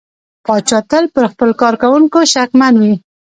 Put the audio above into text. پاچا تل پر خپلو کارکوونکو شکمن وي .